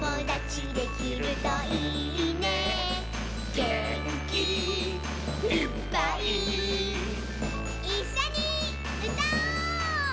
「げんきいっぱい」「いっしょにうたおう！」